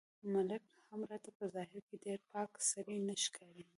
ملک هم راته په ظاهر کې ډېر پاک سړی نه ښکاري.